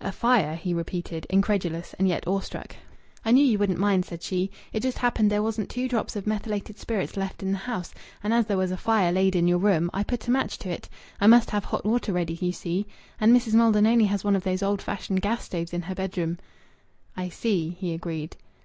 "A fire?" he repeated, incredulous and yet awe struck. "I knew you wouldn't mind," said she. "It just happened there wasn't two drops of methylated spirits left in the house, and as there was a fire laid in your room, I put a match to it. I must have hot water ready, you see. And Mrs. Maldon only has one of those old fashioned gas stoves in her bedroom " "I see," he agreed.